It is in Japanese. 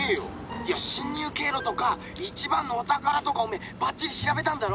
いや侵入経路とか一番のお宝とかおめえばっちり調べたんだろ？